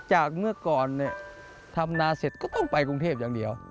เมื่อก่อนเนี่ยทำนาเสร็จก็ต้องไปกรุงเทพอย่างเดียว